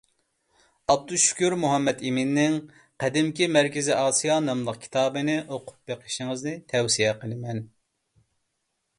ئابدۇشۈكۈر مۇھەممەتئىمىننىڭ «قەدىمكى مەركىزىي ئاسىيا» ناملىق كىتابىنى ئوقۇپ بېقىشىڭىزنى تەۋسىيە قىلىمەن.